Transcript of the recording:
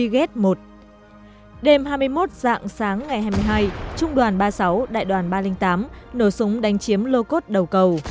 đêm hai mươi một dạng sáng ngày hai mươi hai trung đoàn ba mươi sáu đại đoàn ba trăm linh tám nổ súng đánh chiếm lô cốt đầu cầu